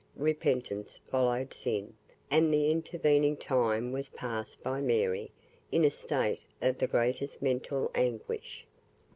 Repentance followed sin, and the intervening time was passed by Mary in a state of the greatest mental anguish.